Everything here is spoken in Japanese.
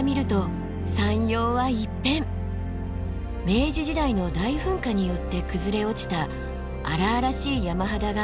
明治時代の大噴火によって崩れ落ちた荒々しい山肌がむき出しになっています。